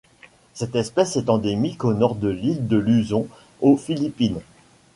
Cette espèce est endémique au nord de l'île de Luzon aux Philippines.